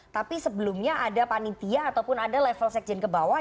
tapi sebelumnya ada panitia ataupun ada level sekjen ke bawah